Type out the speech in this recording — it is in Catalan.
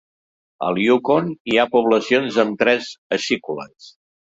Al Yukon hi ha poblacions amb tres acícules.